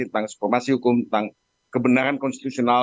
tentang informasi hukum tentang kebenaran konstitusional